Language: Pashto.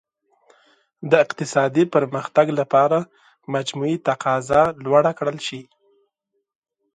د اقتصادي پرمختګ لپاره مجموعي تقاضا لوړه کړل شي.